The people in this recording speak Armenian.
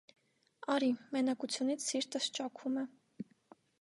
Արի, մենակությունից սիրտս ճաքում է: